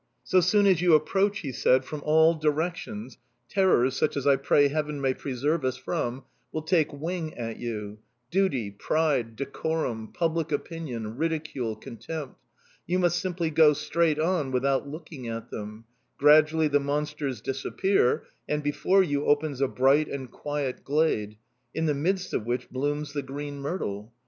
"So soon as you approach," he said, "from all directions terrors, such as I pray Heaven may preserve us from, will take wing at you: duty, pride, decorum, public opinion, ridicule, contempt... You must simply go straight on without looking at them; gradually the monsters disappear, and, before you, opens a bright and quiet glade, in the midst of which blooms the green myrtle.